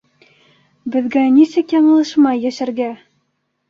Беҙгә нисек яңылышмай йәшәргә?!